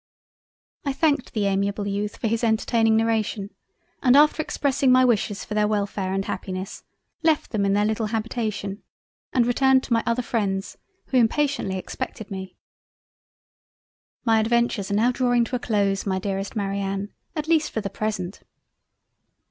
I thanked the amiable Youth for his entertaining narration, and after expressing my wishes for their Welfare and Happiness, left them in their little Habitation and returned to my other Freinds who impatiently expected me. My adventures are now drawing to a close my dearest Marianne; at least for the present.